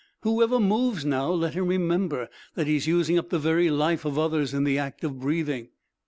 Whoever moves now, let him remember that he is using up the very life of others in the act of breathing!"